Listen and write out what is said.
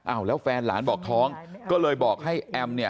แล้วแฟนหลานบอกท้องก็เลยบอกให้แอมเนี่ย